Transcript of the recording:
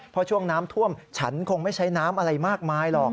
เพราะช่วงน้ำท่วมฉันคงไม่ใช้น้ำอะไรมากมายหรอก